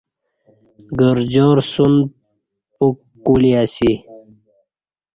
گرجار سن پ وک کولی اسی